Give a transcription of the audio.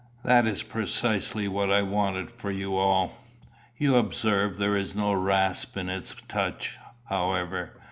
"That is precisely what I wanted for you all. You observe there is no rasp in its touch, however.